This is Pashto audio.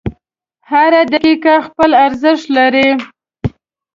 • هره دقیقه خپل ارزښت لري.